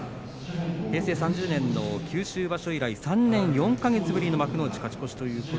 平成３０年九州場所以来３年４か月ぶりの幕内の勝ち越しです。